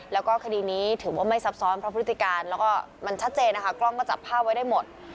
แล้วก็คดีนี้ถือว่าไม่ซับซ้อนเพราะพฤติการแล้วก็มันชัดเจนนะคะกล้องก็จับภาพไว้ได้หมด